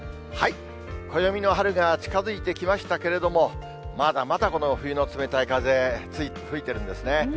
暦の春が近づいてきましたけれども、まだまだこの冬の冷たい風、吹いてるんですね。